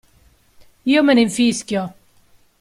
Io me ne infischio.